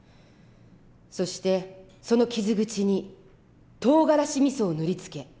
そしてその傷口にとうがらしみそを塗り付け